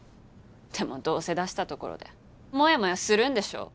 でもどうせ出したところでモヤモヤするんでしょ。